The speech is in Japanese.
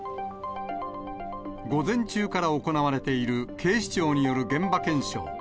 午前中から行われている警視庁による現場検証。